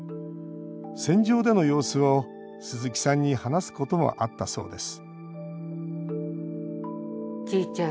戦場での様子を鈴木さんに話すこともあったそうです